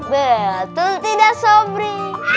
betul tidak sobri